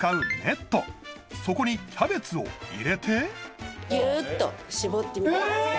そこにキャベツを入れてギューッと絞っていきますえ！